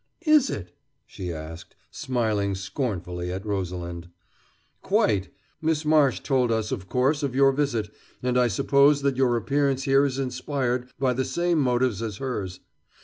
"Is it?" she asked, smiling scornfully at Rosalind. "Quite. Miss Marsh told us, of course, of your visit, and I suppose that your appearance here is inspired by the same motive as hers.